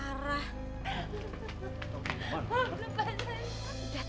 tuh berubah saja